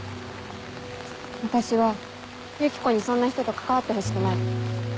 私はユキコにそんな人と関わってほしくない。